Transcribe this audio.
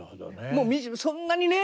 もうそんなにね